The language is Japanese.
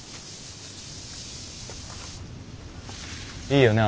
いいよね